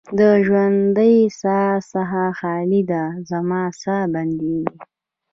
د ژوندۍ ساه څخه خالي ده، زما ساه بندیږې